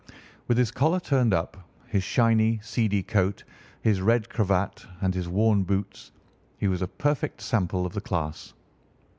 With his collar turned up, his shiny, seedy coat, his red cravat, and his worn boots, he was a perfect sample of the class.